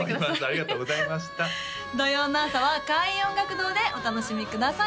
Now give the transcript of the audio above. ありがとうございました土曜の朝は開運音楽堂でお楽しみください